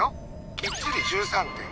きっちり１３．５度！